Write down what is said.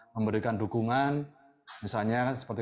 memberikan dukungan misalnya seperti